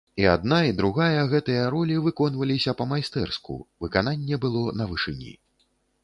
І адна, і другая, гэтыя ролі выконваліся па-майстэрску, выкананне было на вышыні.